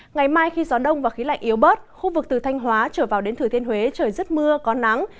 ngày mai khi gió đông và khí lạnh yếu bớt khu vực từ thanh hóa trở vào đến thừa thiên huế trời rất mưa có nắng